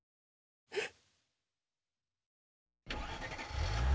えっ？